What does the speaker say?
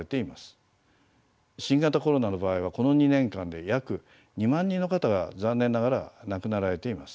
新型コロナの場合はこの２年間で約２万人の方が残念ながら亡くなられています。